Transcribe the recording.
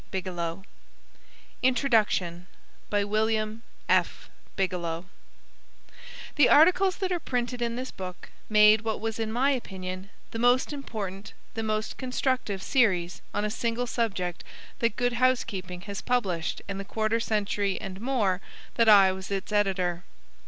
Bigelow_ Introduction The articles that are printed in this book made what was in my opinion the most important, the most constructive, series on a single subject that Good Housekeeping has published in the quarter century and more that I was its editor.